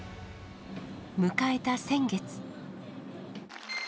迎えた先月。